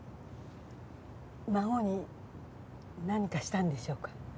孫に何かしたんでしょうか？